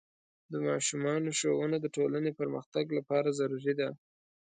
د ماشومانو ښوونه د ټولنې پرمختګ لپاره ضروري ده.